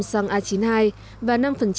xăng e năm là loại xăng được pha chế